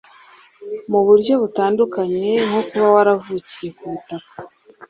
mu buryo butandukanye nko kuba waravukiye ku butaka